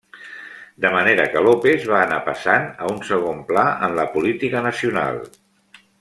De manera que López va anar passant a un segon pla en la política nacional.